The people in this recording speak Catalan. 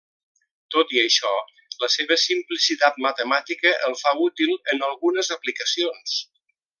Tot i això, la seva simplicitat matemàtica el fa útil en algunes aplicacions.